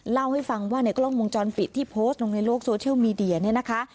เล่าให้ฟังว่าในกล้องวงจรปิดที่โพสต์ลงในโลกโซเชียลมีเดียเนี่ยนะคะ